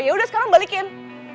yaudah sekarang balikin